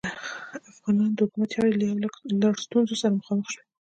د افغانانو د حکومت چارې له یو لړ ستونزو سره مخامخې شوې.